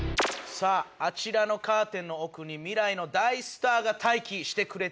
さああちらのカーテンの奥に未来の大スターが待機してくれております。